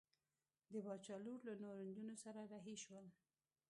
د باچا لور له نورو نجونو سره رهي شول.